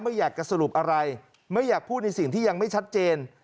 ไม่อยากจะสรุปอะไรไม่อยากพูดในสิ่งที่ยังไม่ชัดเจน